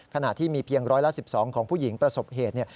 ขณะที่มีเพียงร้อยละ๑๒ของผู้หญิงประสบเหตุ